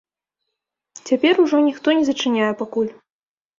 Цяпер ужо ніхто не зачыняе пакуль.